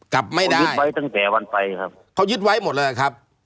กลับไม่ได้เขายึดไว้หมดเลยครับ